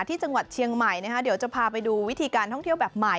ที่จังหวัดเชียงใหม่นะคะเดี๋ยวจะพาไปดูวิธีการท่องเที่ยวแบบใหม่